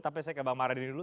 tapi saya ke bang maradi dulu